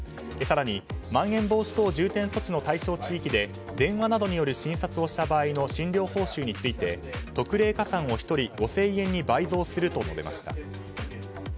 更にまん延防止等重点措置の対象地域で電話などの診察をした場合の診療報酬について特例加算を１人５０００円に倍増すると述べました。